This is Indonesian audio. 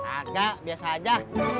agak biasa aja